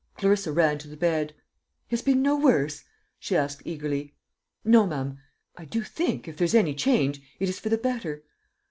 Clarissa ran to the bed. "He has been no worse?" she asked eagerly. "No, ma'am. I do think, if there's any change, it is for the better."